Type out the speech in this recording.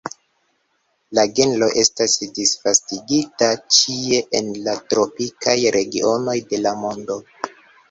La genro estas disvastigita ĉie en la tropikaj regionoj de la mondo.